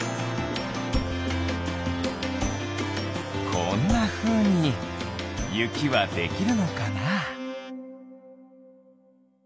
こんなふうにゆきはできるのかな？